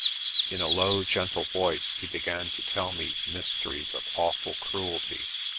In a low gentle voice he began to tell me mysteries of awful cruelty.